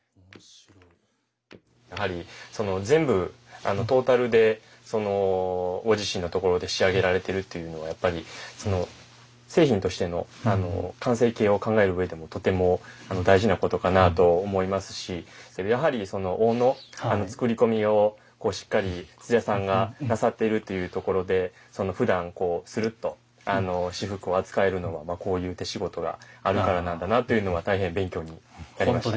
やはり全部トータルでご自身のところで仕上げられてるっていうのはやっぱり製品としての完成形を考える上でもとても大事なことかなと思いますしやはりその緒の作り込みをしっかり土田さんがなさっているというところでふだんこうスルッと仕覆を扱えるのはこういう手仕事があるからなんだなというのは大変勉強になりました。